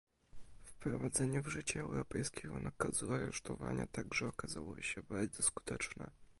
Wprowadzenie w życie europejskiego nakazu aresztowania także okazało się bardzo skuteczne